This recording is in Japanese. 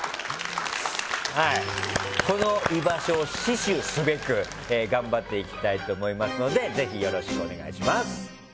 この居場所を死守すべく頑張っていきたいと思いますのでぜひ、よろしくお願いします。